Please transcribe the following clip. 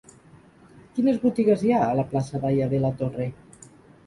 Quines botigues hi ha a la plaça d'Haya de la Torre?